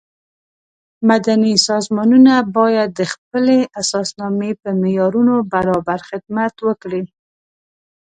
مدني سازمانونه باید د خپلې اساسنامې په معیارونو برابر خدمت وکړي.